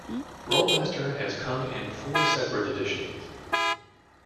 Rolemaster has come in four separate editions.